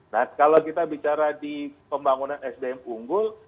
nah kalau kita bicara di pembangunan sdm unggul